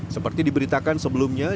seperti diberitakan sebelumnya